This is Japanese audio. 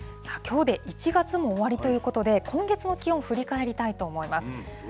きょうで１月も終わりということで、今月の気温、振り返りたいと思います。